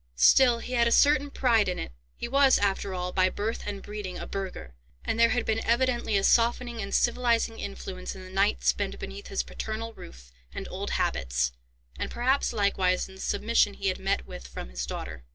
Still he had a certain pride in it—he was, after all, by birth and breeding a burgher—and there had been evidently a softening and civilizing influence in the night spent beneath his paternal roof, and old habits, and perhaps likewise in the submission he had met with from his daughter.